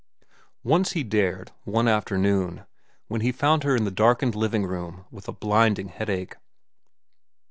Once he dared, one afternoon, when he found her in the darkened living room with a blinding headache.